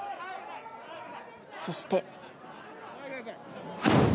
そして。